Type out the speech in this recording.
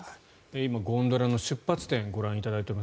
今、ゴンドラの出発点をご覧いただいています。